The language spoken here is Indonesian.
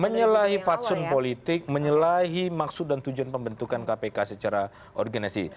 menyalahi fatsun politik menyalahi maksud dan tujuan pembentukan kpk secara organisasi